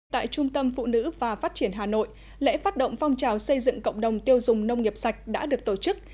tại trung tâm phụ nữ và phát triển hà nội lễ phát động phong trào xây dựng cộng đồng tiêu dùng nông nghiệp sạch đã được tổ chức